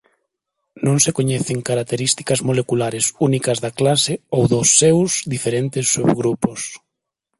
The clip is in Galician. Non se coñecen características moleculares únicas da clase ou dos seus diferentes subgrupos.